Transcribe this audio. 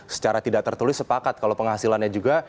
secara tidak tertulis sepakat kalau penghasilannya juga